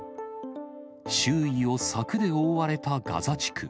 周囲を柵で覆われたガザ地区。